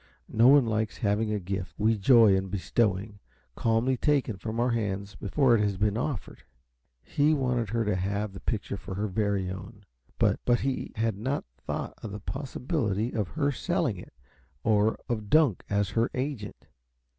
No one likes having a gift we joy in bestowing calmly taken from our hands before it has been offered. He wanted her to have the picture for her very own but but He had not thought of the possibility of her selling it, or of Dunk as her agent.